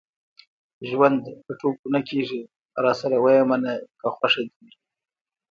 ژوند په ټوکو نه کېږي. راسره ويې منه که خوښه دې وي.